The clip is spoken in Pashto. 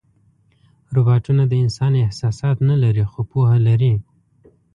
روبوټونه د انسان احساسات نه لري، خو پوهه لري.